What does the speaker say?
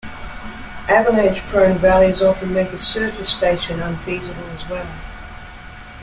Avalanche-prone valleys often make a surface station unfeasible as well.